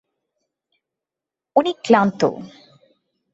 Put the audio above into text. উনি ক্লান্ত।